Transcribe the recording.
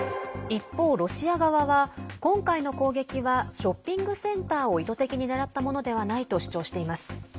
一方、ロシア側は今回の攻撃はショッピングセンターを意図的に狙ったものではないと主張しています。